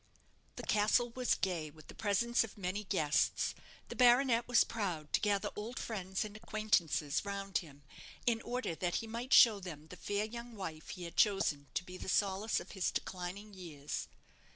The castle was gay with the presence of many guests. The baronet was proud to gather old friends and acquaintances round him, in order that he might show them the fair young wife he had chosen to be the solace of his declining years.